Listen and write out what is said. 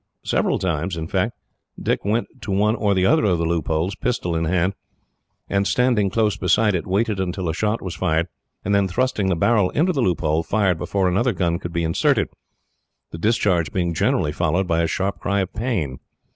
Several times, Dick went to one or other of the loopholes, pistol in hand, and, standing close beside it, waited until a shot was fired; and then, thrusting the barrel into the loophole, fired before another gun could be inserted, the discharge being generally followed by a sharp cry of pain.